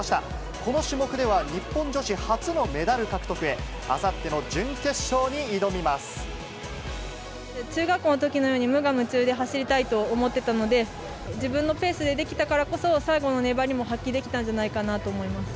この種目では日本女子初のメダル獲得へ、中学校のときのように、無我夢中で走りたいと思っていたので、自分のペースでできたからこそ、最後の粘りも発揮できたんじゃないかなと思います。